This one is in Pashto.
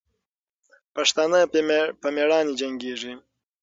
پښتانه په میړانې جنګېږي.